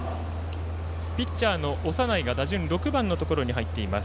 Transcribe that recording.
ピッチャーの長内が打順６番のところに入っています。